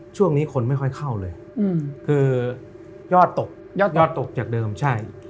ช่วงนี้คนไม่ค่อยเข้าเลยคือยอดตกยอดตกจากเดิมใช่